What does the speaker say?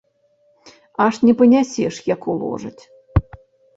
Аж не панясеш, як уложаць!